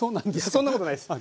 そんなことないです！